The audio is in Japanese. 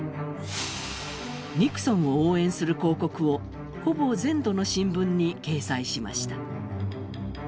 ニクソンを応援する広告をほぼ全土の新聞に掲載しました。